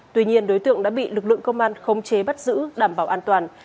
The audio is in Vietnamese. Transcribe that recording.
tuy nhiên đối tượng đã bị lực lượng công an khống chế bắt giữ đảm bảo an toàn